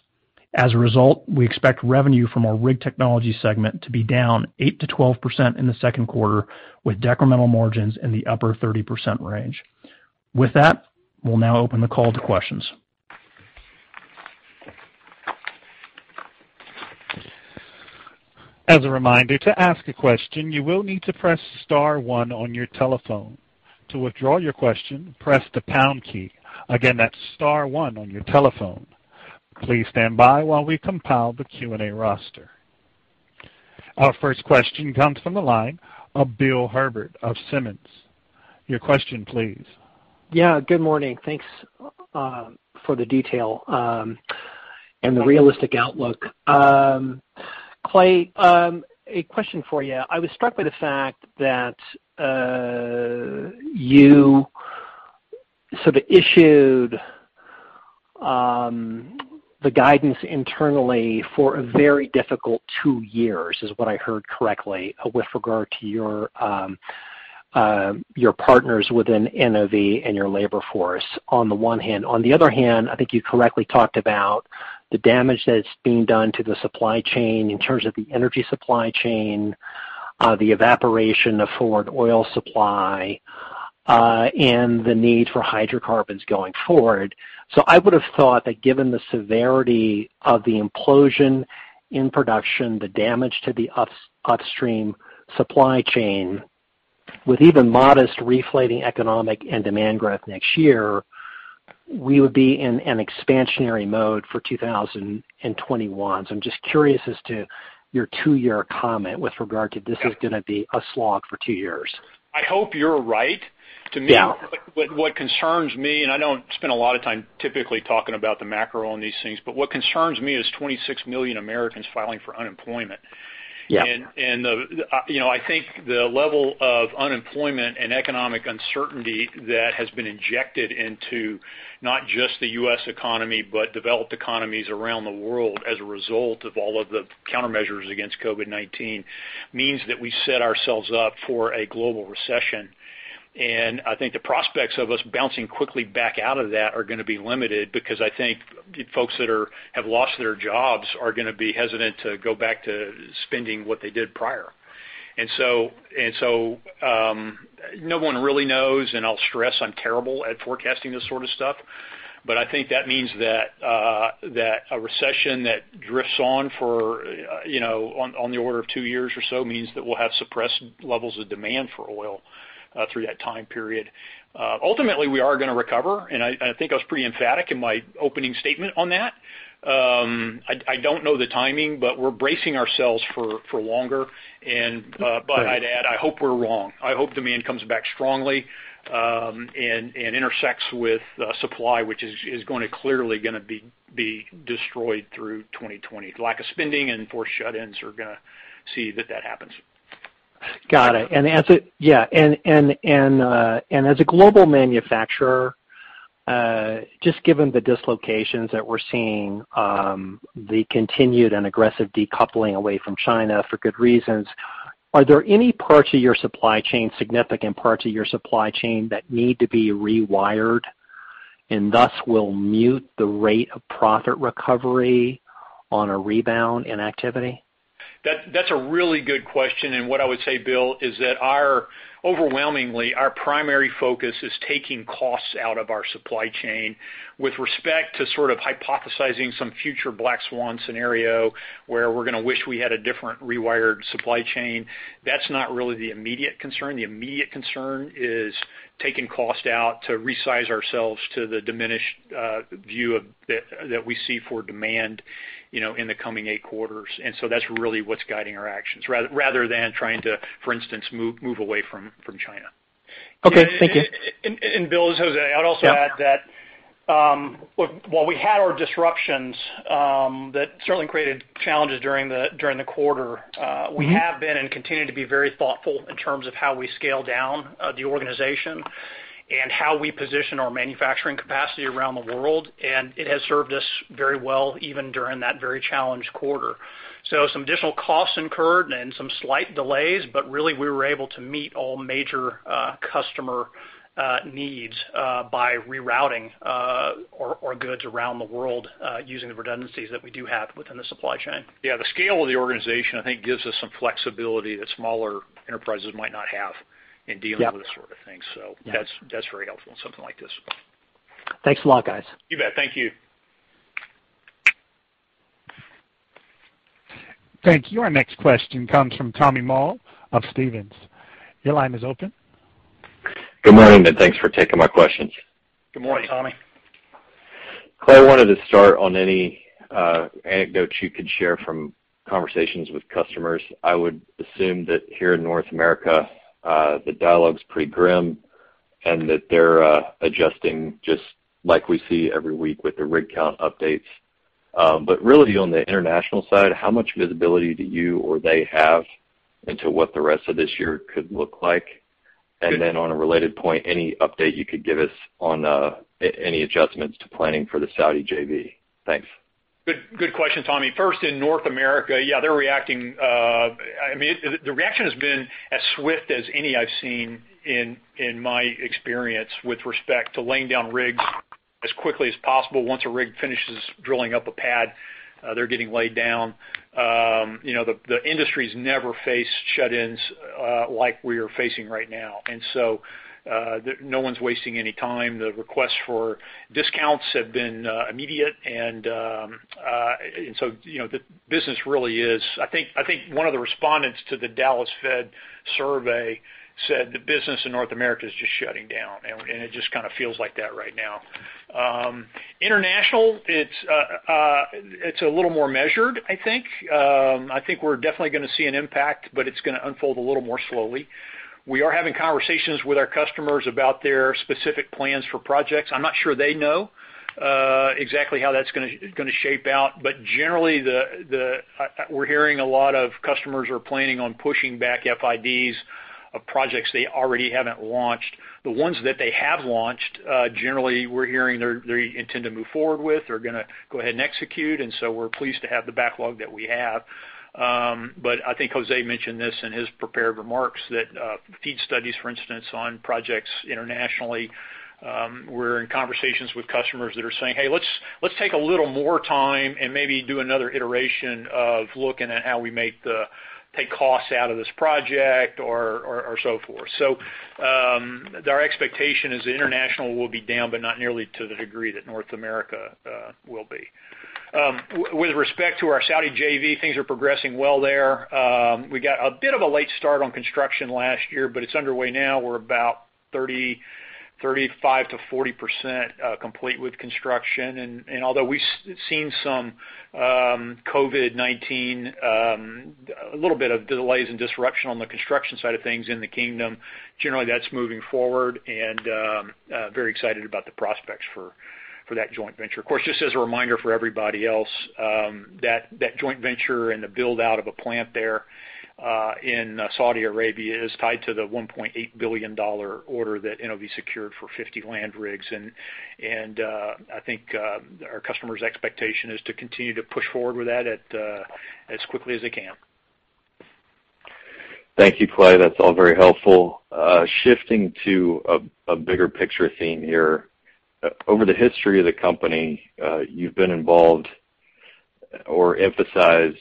As a result, we expect revenue from our Rig Technologies segment to be down 8%-12% in the second quarter, with decremental margins in the upper 30% range. With that, we'll now open the call to questions. As a reminder, to ask a question, you will need to press star one on your telephone. To withdraw your question, press the pound key. Again, that's star one on your telephone. Please stand by while we compile the Q&A roster. Our first question comes from the line of Bill Herbert of Simmons. Your question please. Yeah, good morning. Thanks for the detail and the realistic outlook. Clay, a question for you. I was struck by the fact that you sort of issued the guidance internally for a very difficult two years, is what I heard correctly, with regard to your partners within NOV and your labor force on the one hand. On the other hand, I think you correctly talked about the damage that's being done to the supply chain in terms of the energy supply chain, the evaporation of forward oil supply, and the need for hydrocarbons going forward. I would have thought that given the severity of the implosion in production, the damage to the upstream supply chain, with even modest reflating economic and demand growth next year, we would be in an expansionary mode for 2021. I'm just curious as to your two-year comment with regard to this is going to be a slog for two years. I hope you're right. Yeah. To me, what concerns me, I don't spend a lot of time typically talking about the macro on these things, what concerns me is 26 million Americans filing for unemployment. Yeah. I think the level of unemployment and economic uncertainty that has been injected into not just the U.S. economy but developed economies around the world as a result of all of the countermeasures against COVID-19 means that we set ourselves up for a global recession. I think the prospects of us bouncing quickly back out of that are going to be limited because I think folks that have lost their jobs are going to be hesitant to go back to spending what they did prior. No one really knows, I'll stress I'm terrible at forecasting this sort of stuff, I think that means that a recession that drifts on the order of two years or so means that we'll have suppressed levels of demand for oil through that time period. Ultimately, we are going to recover, I think I was pretty emphatic in my opening statement on that. I don't know the timing, we're bracing ourselves for longer. Great. I'd add, I hope we're wrong. I hope demand comes back strongly and intersects with supply, which is clearly going to be destroyed through 2020. Lack of spending and forced shut-ins are going to see that that happens. Got it. As a global manufacturer, just given the dislocations that we're seeing, the continued and aggressive decoupling away from China for good reasons, are there any parts of your supply chain, significant parts of your supply chain that need to be rewired and thus will mute the rate of profit recovery on a rebound in activity? That's a really good question. What I would say, Bill, is that overwhelmingly, our primary focus is taking costs out of our supply chain. With respect to sort of hypothesizing some future black swan scenario where we're going to wish we had a different rewired supply chain, that's not really the immediate concern. The immediate concern is taking cost out to resize ourselves to the diminished view that we see for demand in the coming eight quarters. That's really what's guiding our actions, rather than trying to, for instance, move away from China. Okay. Thank you. Bill, this is Jose. Yeah. I would also add that while we had our disruptions that certainly created challenges during the quarter, we have been and continue to be very thoughtful in terms of how we scale down the organization and how we position our manufacturing capacity around the world. It has served us very well, even during that very challenged quarter. Some additional costs incurred and some slight delays, but really, we were able to meet all major customer needs by rerouting our goods around the world using the redundancies that we do have within the supply chain. Yeah. The scale of the organization, I think, gives us some flexibility that smaller enterprises might not have. Yeah With this sort of thing. That's very helpful in something like this. Thanks a lot, guys. You bet. Thank you. Thank you. Our next question comes from Tommy Moll of Stephens. Your line is open. Good morning, thanks for taking my questions. Good morning, Tommy. Clay, I wanted to start on any anecdotes you could share from conversations with customers. I would assume that here in North America, the dialogue's pretty grim and that they're adjusting just like we see every week with the rig count updates. Really on the international side, how much visibility do you or they have into what the rest of this year could look like? On a related point, any update you could give us on any adjustments to planning for the Saudi JV? Thanks. Good question, Tommy. First, in North America, yeah, they're reacting. The reaction has been as swift as any I've seen in my experience with respect to laying down rigs as quickly as possible. Once a rig finishes drilling up a pad, they're getting laid down. The industry's never faced shut-ins like we are facing right now, no one's wasting any time. The requests for discounts have been immediate. I think one of the respondents to the Dallas Fed survey said the business in North America is just shutting down, and it just kind of feels like that right now. International, it's a little more measured, I think. I think we're definitely going to see an impact, it's going to unfold a little more slowly. We are having conversations with our customers about their specific plans for projects. I'm not sure they know exactly how that's going to shape out. Generally, we're hearing a lot of customers are planning on pushing back FIDs of projects they already haven't launched. The ones that they have launched, generally, we're hearing they intend to move forward with, they're going to go ahead and execute. We're pleased to have the backlog that we have. I think Jose mentioned this in his prepared remarks that feed studies, for instance, on projects internationally, we're in conversations with customers that are saying, "Hey, let's take a little more time and maybe do another iteration of looking at how we take costs out of this project or so forth." Our expectation is international will be down, but not nearly to the degree that North America will be. With respect to our Saudi JV, things are progressing well there. We got a bit of a late start on construction last year, but it's underway now. We're about 35%-40% complete with construction. Although we've seen some COVID-19, a little bit of delays and disruption on the construction side of things in the kingdom, generally that's moving forward and very excited about the prospects for that joint venture. Of course, just as a reminder for everybody else, that joint venture and the build-out of a plant there in Saudi Arabia is tied to the $1.8 billion order that NOV secured for 50 land rigs. I think our customer's expectation is to continue to push forward with that as quickly as they can. Thank you, Clay. That's all very helpful. Shifting to a bigger picture theme here. Over the history of the company, you've been involved or emphasized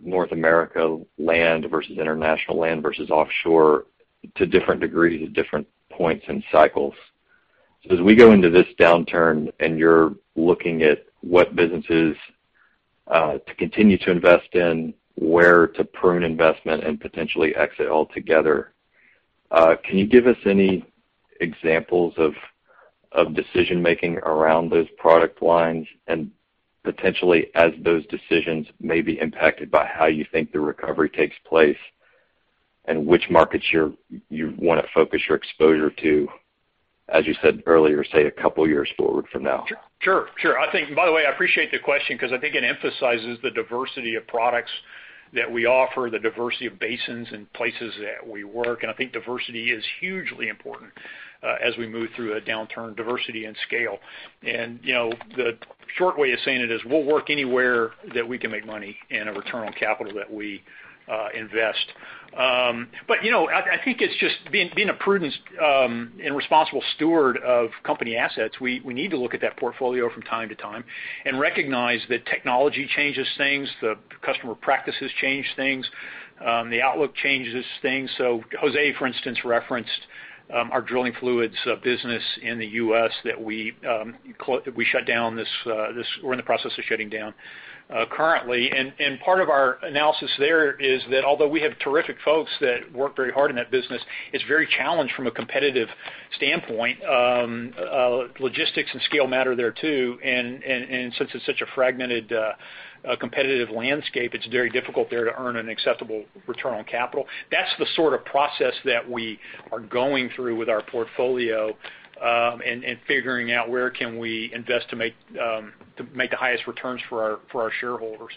North America land versus international land versus offshore to different degrees at different points and cycles. As we go into this downturn and you're looking at what businesses to continue to invest in, where to prune investment and potentially exit altogether, can you give us any examples of decision-making around those product lines? Potentially, as those decisions may be impacted by how you think the recovery takes place, and which markets you want to focus your exposure to, as you said earlier, say, a couple of years forward from now? Sure. I think, by the way, I appreciate the question because I think it emphasizes the diversity of products that we offer, the diversity of basins and places that we work, and I think diversity is hugely important as we move through a downturn, diversity and scale. The short way of saying it is we'll work anywhere that we can make money and a return on capital that we invest. I think it's just being a prudent and responsible steward of company assets, we need to look at that portfolio from time to time. Recognize that technology changes things, the customer practices change things, the outlook changes things. Jose, for instance, referenced our drilling fluids business in the U.S. that we're in the process of shutting down currently. Part of our analysis there is that although we have terrific folks that work very hard in that business, it's very challenged from a competitive standpoint. Logistics and scale matter there too, and since it's such a fragmented competitive landscape, it's very difficult there to earn an acceptable return on capital. That's the sort of process that we are going through with our portfolio, and figuring out where can we invest to make the highest returns for our shareholders.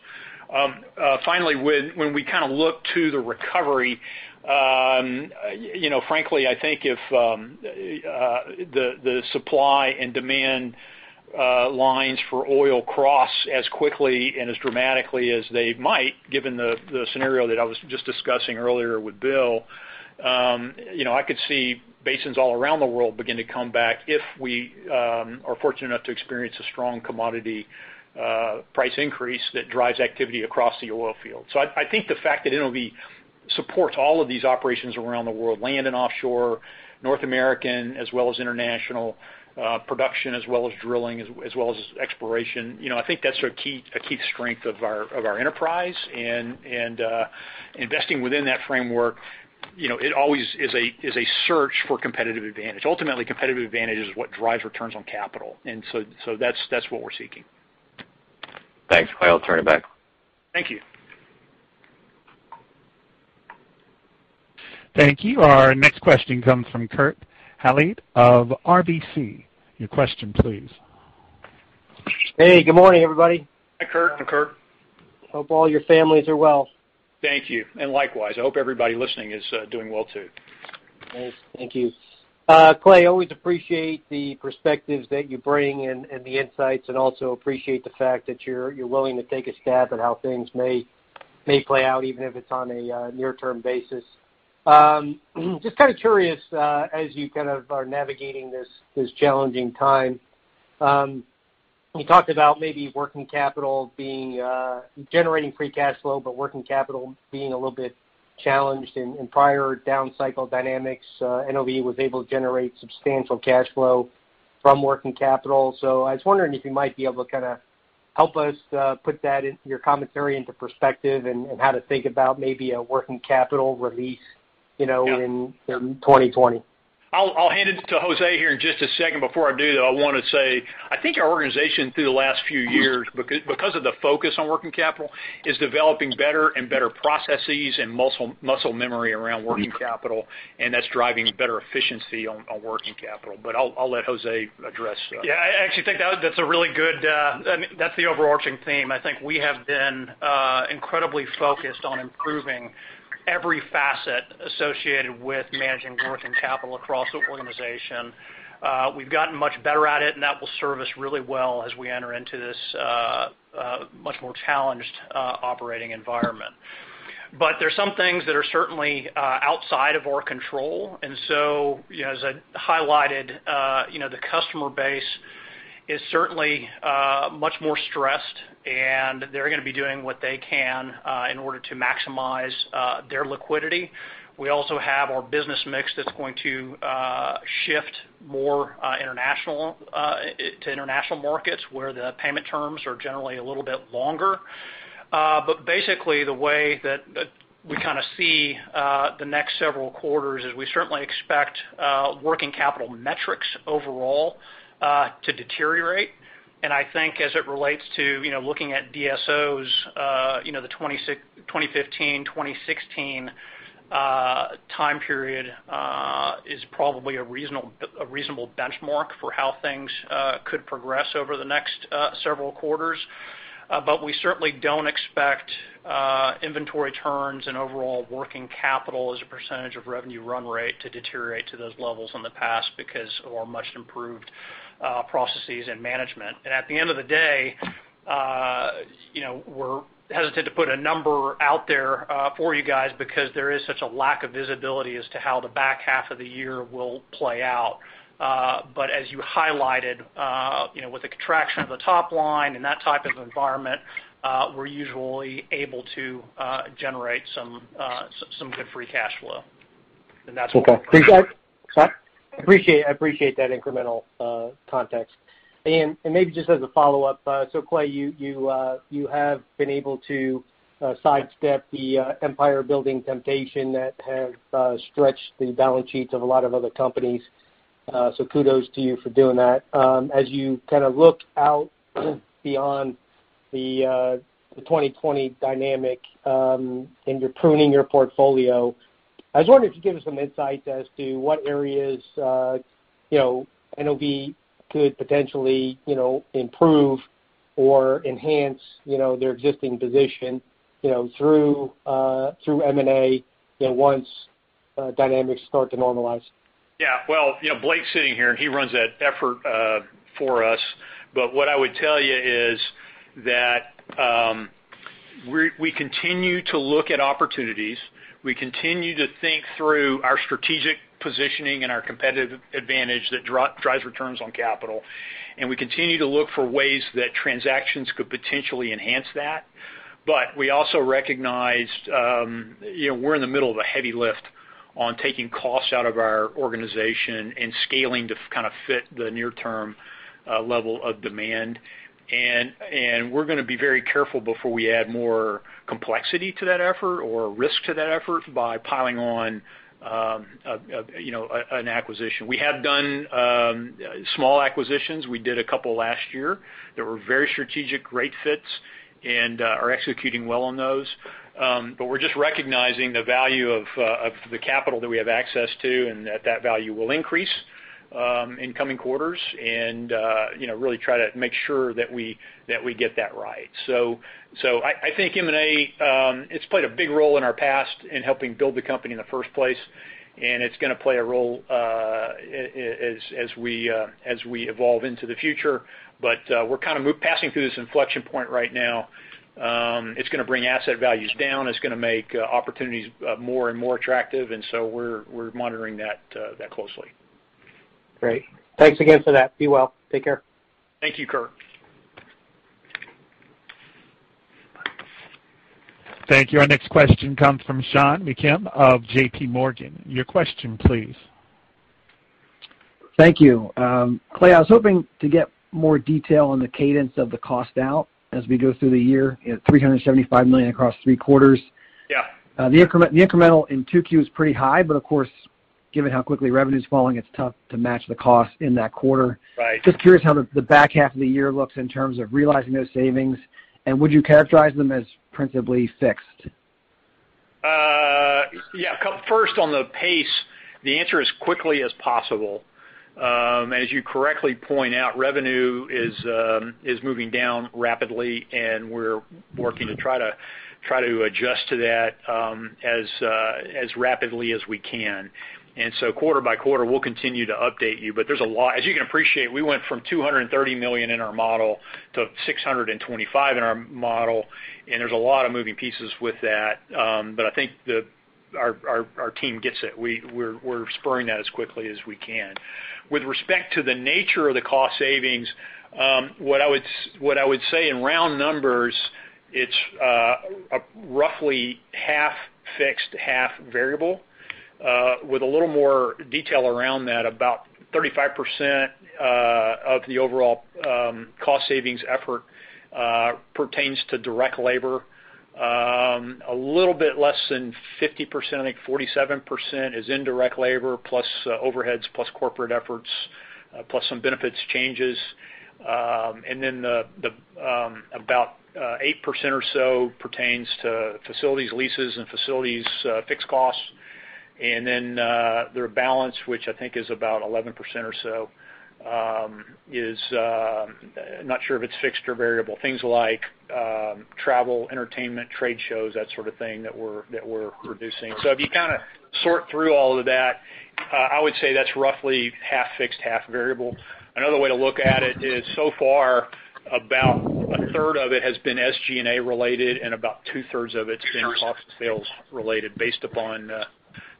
Finally, when we look to the recovery, frankly, I think if the supply and demand lines for oil cross as quickly and as dramatically as they might, given the scenario that I was just discussing earlier with Bill, I could see basins all around the world begin to come back if we are fortunate enough to experience a strong commodity price increase that drives activity across the oil field. I think the fact that NOV supports all of these operations around the world, land and offshore, North American as well as international production, as well as drilling, as well as exploration, I think that's a key strength of our enterprise and investing within that framework, it always is a search for competitive advantage. Ultimately, competitive advantage is what drives returns on capital. That's what we're seeking. Thanks, Clay. I'll turn it back. Thank you. Thank you. Our next question comes from Kurt Hallead of RBC. Your question please. Hey, good morning, everybody. Hi, Kurt. Hi, Kurt. Hope all your families are well. Thank you, likewise. I hope everybody listening is doing well too. Thanks. Thank you. Clay, always appreciate the perspectives that you bring and the insights, also appreciate the fact that you're willing to take a stab at how things may play out, even if it's on a near-term basis. Just kind of curious, as you are navigating this challenging time, you talked about maybe generating free cash flow, but working capital being a little bit challenged. In prior down cycle dynamics, NOV was able to generate substantial cash flow from working capital. I was wondering if you might be able to help us put your commentary into perspective and how to think about maybe a working capital release in 2020. I'll hand it to Jose here in just a second. Before I do, though, I want to say, I think our organization through the last few years, because of the focus on working capital, is developing better and better processes and muscle memory around working capital, and that's driving better efficiency on working capital. I'll let Jose address that. I actually think that's the overarching theme. I think we have been incredibly focused on improving every facet associated with managing working capital across the organization. We've gotten much better at it, and that will serve us really well as we enter into this much more challenged operating environment. There's some things that are certainly outside of our control, as I highlighted the customer base is certainly much more stressed, and they're going to be doing what they can in order to maximize their liquidity. We also have our business mix that's going to shift more to international markets, where the payment terms are generally a little bit longer. Basically, the way that we see the next several quarters is we certainly expect working capital metrics overall to deteriorate. I think as it relates to looking at DSOs, the 2015, 2016 time period is probably a reasonable benchmark for how things could progress over the next several quarters. We certainly don't expect inventory turns and overall working capital as a percentage of revenue run rate to deteriorate to those levels in the past because of our much-improved processes and management. At the end of the day, we're hesitant to put a number out there for you guys because there is such a lack of visibility as to how the back half of the year will play out. As you highlighted with the contraction of the top line and that type of environment, we're usually able to generate some good free cash flow. Okay. Appreciate that incremental context. Maybe just as a follow-up, Clay, you have been able to sidestep the empire-building temptation that has stretched the balance sheets of a lot of other companies. Kudos to you for doing that. As you look out beyond the 2020 dynamic and you're pruning your portfolio, I was wondering if you could give us some insights as to what areas NOV could potentially improve or enhance their existing position through M&A once dynamics start to normalize. Yeah. Well, Blake's sitting here, and he runs that effort for us. What I would tell you is that we continue to look at opportunities. We continue to think through our strategic positioning and our competitive advantage that drives returns on capital, and we continue to look for ways that transactions could potentially enhance that. We also recognized we're in the middle of a heavy lift on taking costs out of our organization and scaling to fit the near-term level of demand. We're going to be very careful before we add more complexity to that effort or risk to that effort by piling on an acquisition. We have done small acquisitions. We did a couple last year that were very strategic, great fits, and are executing well on those. We're just recognizing the value of the capital that we have access to and that value will increase in coming quarters and really try to make sure that we get that right. I think M&A it's played a big role in our past in helping build the company in the first place, and it's going to play a role as we evolve into the future. We're kind of passing through this inflection point right now. It's going to bring asset values down. It's going to make opportunities more and more attractive. We're monitoring that closely. Great. Thanks again for that. Be well. Take care. Thank you, Kurt. Thank you. Our next question comes from Sean Meakim of J.P. Morgan. Your question, please. Thank you. Clay, I was hoping to get more detail on the cadence of the cost-out as we go through the year. You had $375 million across three quarters. Yeah. The incremental in 2Q is pretty high, of course, given how quickly revenue's falling, it's tough to match the cost in that quarter. Right. Just curious how the back half of the year looks in terms of realizing those savings, would you characterize them as principally fixed? Yeah. First on the pace, the answer is quickly as possible. As you correctly point out, revenue is moving down rapidly and we're working to try to adjust to that as rapidly as we can. Quarter by quarter, we'll continue to update you, but there's a lot. As you can appreciate, we went from $230 million in our model to $625 million in our model, there's a lot of moving pieces with that. I think our team gets it. We're spurring that as quickly as we can. With respect to the nature of the cost savings, what I would say in round numbers, it's roughly half fixed, half variable. With a little more detail around that, about 35% of the overall cost savings effort pertains to direct labor. A little bit less than 50%, I think 47%, is indirect labor, plus overheads, plus corporate efforts, plus some benefits changes. About 8% or so pertains to facilities leases and facilities fixed costs. The balance, which I think is about 11% or so, I'm not sure if it's fixed or variable. Things like travel, entertainment, trade shows, that sort of thing that we're reducing. If you sort through all of that, I would say that's roughly half fixed, half variable. Another way to look at it is, so far, about a third of it has been SG&A related, and about two-thirds of it's been cost of sales related based upon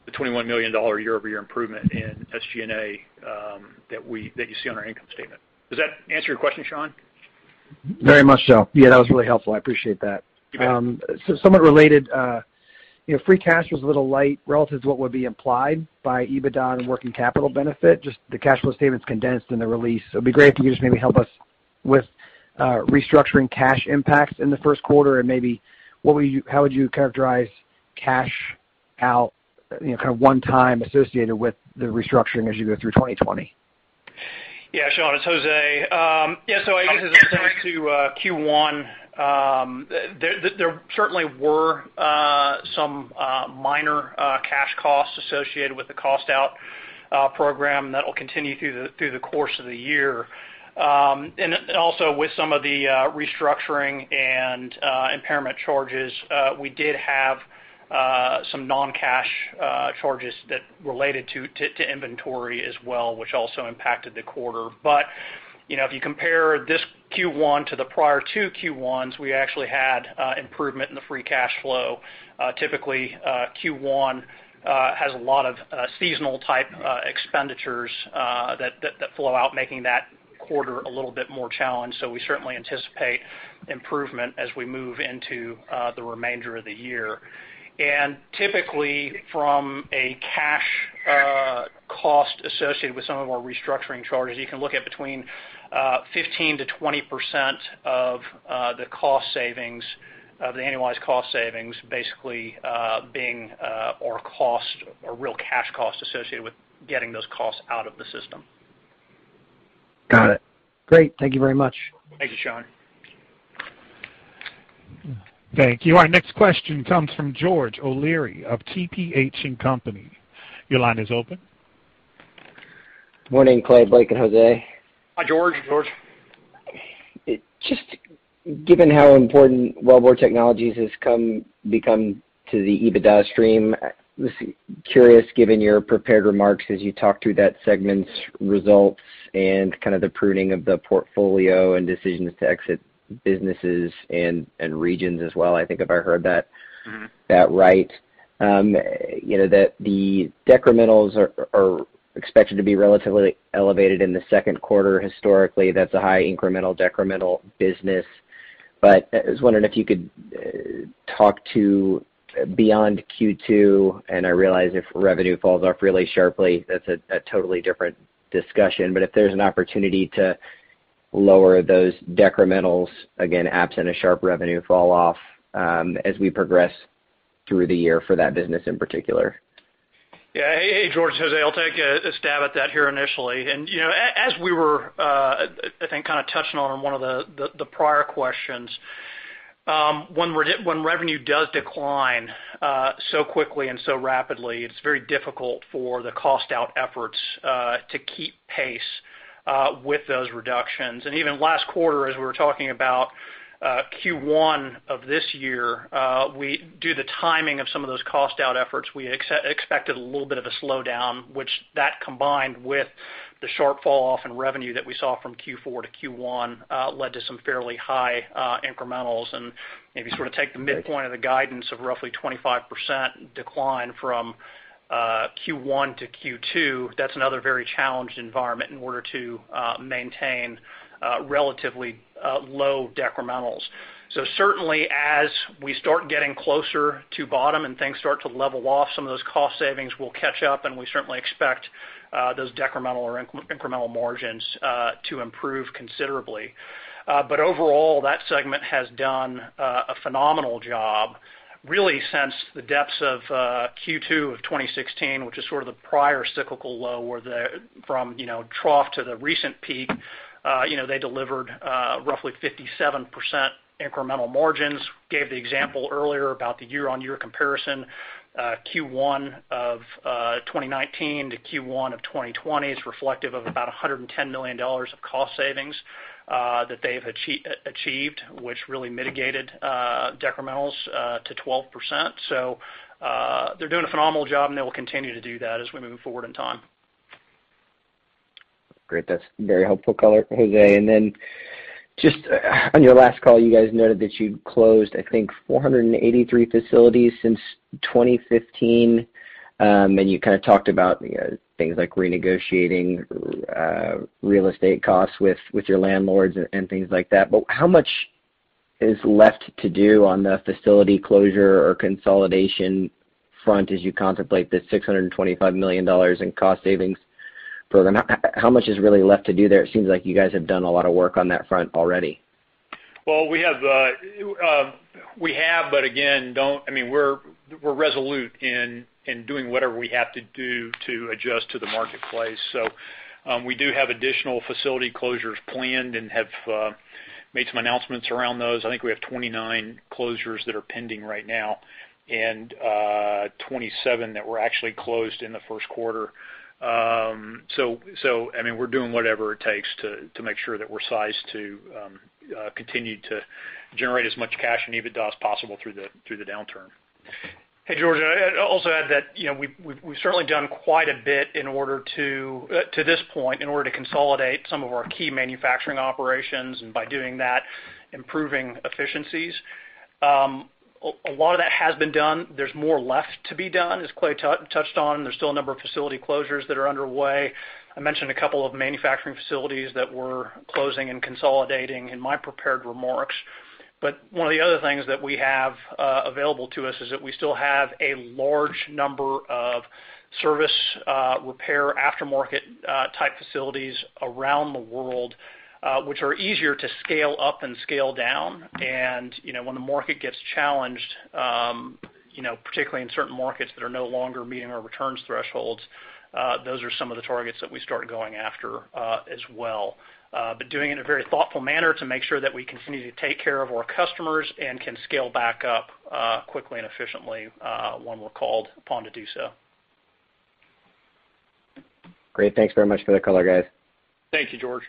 the $21 million year-over-year improvement in SG&A that you see on our income statement. Does that answer your question, Sean? Very much so. Yeah, that was really helpful. I appreciate that. You bet. Somewhat related, free cash was a little light relative to what would be implied by EBITDA and working capital benefit, just the cash flow statement's condensed in the release. It'd be great if you could just maybe help us with restructuring cash impacts in the first quarter and maybe how would you characterize cash out, kind of one time associated with the restructuring as you go through 2020? Sean, it's Jose. As it relates to Q1, there certainly were some minor cash costs associated with the cost-out program that will continue through the course of the year. Also with some of the restructuring and impairment charges, we did have some non-cash charges that related to inventory as well, which also impacted the quarter. If you compare this Q1 to the prior two Q1s, we actually had improvement in the free cash flow. Typically, Q1 has a lot of seasonal type expenditures that flow out, making that quarter a little bit more challenged. We certainly anticipate improvement as we move into the remainder of the year. Typically from a cash cost associated with some of our restructuring charges, you can look at between 15%-20% of the annualized cost savings basically being our cost or real cash cost associated with getting those costs out of the system. Got it. Great. Thank you very much. Thank you, Sean. Thank you. Our next question comes from George O'Leary of TPH & Co.. Your line is open. Morning, Clay, Blake, and Jose. Hi, George. George. Just given how important Wellbore Technologies has become to the EBITDA stream, just curious, given your prepared remarks as you talked through that segment's results and kind of the pruning of the portfolio and decisions to exit businesses and regions as well, I think if I heard that right. The decrementals are expected to be relatively elevated in the second quarter. Historically, that's a high incremental decremental business. I was wondering if you could talk to beyond Q2, and I realize if revenue falls off really sharply, that's a totally different discussion. If there's an opportunity to lower those decrementals, again, absent a sharp revenue fall off as we progress through the year for that business in particular. Yeah. Hey, George, it's Jose. I'll take a stab at that here initially. As we were, I think, kind of touching on in one of the prior questions, when revenue does decline so quickly and so rapidly, it's very difficult for the cost out efforts to keep pace with those reductions. Even last quarter, as we were talking about Q1 of this year, due to the timing of some of those cost out efforts, we expected a little bit of a slowdown, which that combined with the sharp falloff in revenue that we saw from Q4 to Q1 led to some fairly high incrementals and maybe sort of take the midpoint of the guidance of roughly 25% decline from Q1 to Q2. That's another very challenged environment in order to maintain relatively low decrementals. Certainly, as we start getting closer to bottom and things start to level off, some of those cost savings will catch up, and we certainly expect those decremental or incremental margins to improve considerably. Overall, that segment has done a phenomenal job, really since the depths of Q2 of 2016, which is sort of the prior cyclical low from trough to the recent peak. They delivered roughly 57% incremental margins. Gave the example earlier about the year-over-year comparison Q1 of 2019 to Q1 of 2020 is reflective of about $110 million of cost savings that they've achieved, which really mitigated decrementals to 12%. They're doing a phenomenal job, and they will continue to do that as we move forward in time. Great. That's very helpful color, Jose. Just on your last call, you guys noted that you closed, I think, 483 facilities since 2015. You kind of talked about things like renegotiating real estate costs with your landlords and things like that. How much is left to do on the facility closure or consolidation front as you contemplate this $625 million in cost savings program? How much is really left to do there? It seems like you guys have done a lot of work on that front already. Well, we have, but again, we're resolute in doing whatever we have to do to adjust to the marketplace. We do have additional facility closures planned and have made some announcements around those. I think we have 29 closures that are pending right now and 27 that were actually closed in the first quarter. We're doing whatever it takes to make sure that we're sized to continue to generate as much cash and EBITDA as possible through the downturn. Hey, George, I'd also add that we've certainly done quite a bit to this point in order to consolidate some of our key manufacturing operations and by doing that, improving efficiencies. A lot of that has been done. There's more left to be done, as Clay touched on. There's still a number of facility closures that are underway. I mentioned a couple of manufacturing facilities that we're closing and consolidating in my prepared remarks. One of the other things that we have available to us is that we still have a large number of service repair aftermarket type facilities around the world, which are easier to scale up and scale down. When the market gets challenged, particularly in certain markets that are no longer meeting our returns thresholds, those are some of the targets that we start going after as well. Doing it in a very thoughtful manner to make sure that we continue to take care of our customers and can scale back up quickly and efficiently when we're called upon to do so. Great. Thanks very much for that color, guys. Thank you, George.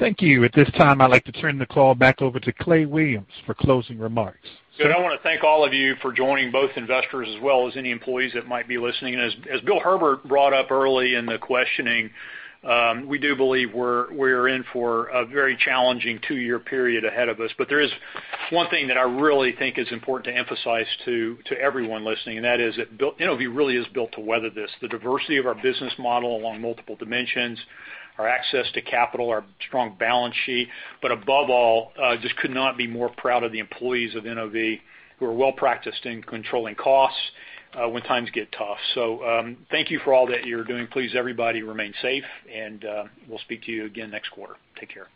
Thank you. At this time, I'd like to turn the call back over to Clay Williams for closing remarks. Good. I want to thank all of you for joining, both investors as well as any employees that might be listening. As Bill Herbert brought up early in the questioning, we do believe we're in for a very challenging two-year period ahead of us. There is one thing that I really think is important to emphasize to everyone listening, and that is that NOV really is built to weather this. The diversity of our business model along multiple dimensions, our access to capital, our strong balance sheet. Above all, just could not be more proud of the employees of NOV who are well-practiced in controlling costs when times get tough. Thank you for all that you're doing. Please, everybody remain safe, and we'll speak to you again next quarter. Take care.